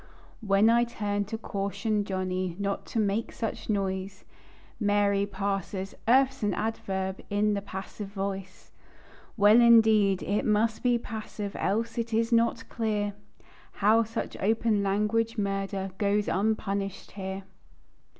While I turn to caution Johnny Not to make such noise; Mary parses: "Earth's an adverb, In the passive voice." Well, indeed, it must be passive, Else it is not clear How such open language murder, Goes unpunished here.